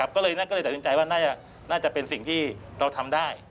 ก็เลยตัดสินใจว่าน่าจะเป็นสิ่งที่เราทำได้